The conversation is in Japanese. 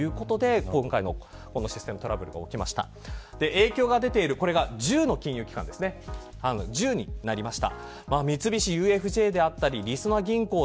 影響が出ている１０の金融機関になりました。